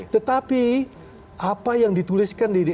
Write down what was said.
tetapi apa yang dituliskan diri